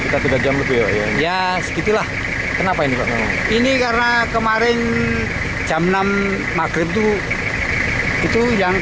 kita sudah jam lebih ya